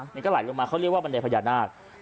มันก็ไหลลงมาเขาเรียกว่าบันไดพญานาค